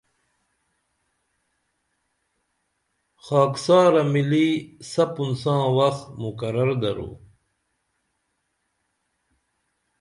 خاکسارہ مِلی سپُں ساں وخ مقرر درو